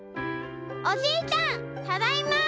おじいちゃんただいま！」。